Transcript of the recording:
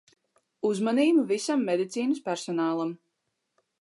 Uzmanību visam medicīnas personālam.